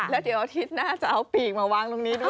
แล้วเดี๋ยวอาทิตย์หน้าจะเอาปีกมาวางตรงนี้ด้วย